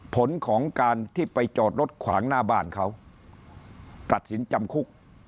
ผลของการที่ไปจอดรถขวางหน้าบ้านเขาตัดสินจำคุก